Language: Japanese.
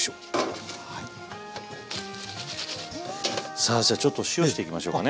さあじゃあちょっと塩していきましょうかね。